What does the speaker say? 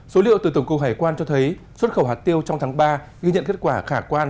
số liệu từ tổng cục hải quan cho thấy xuất khẩu hạt tiêu trong tháng ba ghi nhận kết quả khả quan